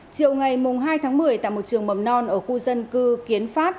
chiều ngày hai tháng một mươi tại một trường mầm non ở khu dân cư kiến phát